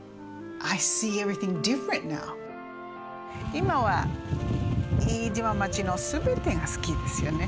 今は飯島町の全てが好きですよね。